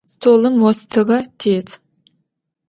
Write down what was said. Stolım vostığe têt.